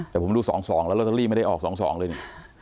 เดี๋ยวผมดูสองแล้วเราจะรีบไม่ได้ออกสองเลย